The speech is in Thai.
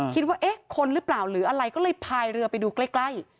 คิดว่าเอ๊ะคนหรือเปล่าหรืออะไรก็เลยพายเรือไปดูใกล้